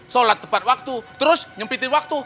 sholat tepat waktu terus nyempitin waktu